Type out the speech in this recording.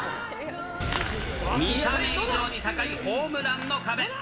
見た目以上に高いホームランの壁。